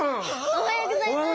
おはようございます。